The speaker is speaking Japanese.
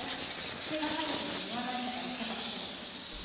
口が裂けても言わないとか言ってたくせに。